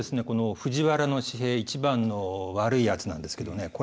この藤原時平一番の悪い奴なんですけどね